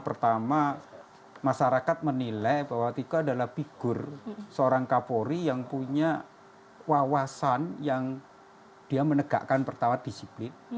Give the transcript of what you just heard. pertama masyarakat menilai bahwa tito adalah bigur seorang k polri yang punya wawasan yang dia menegakkan pertama disiplin